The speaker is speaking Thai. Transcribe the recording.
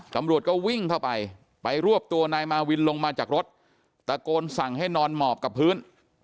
ตำรวจก็วิ่งเข้าไปไปรวบตัวนายมาวินลงมาจากรถตะโกนสั่งให้นอนหมอบกับพื้น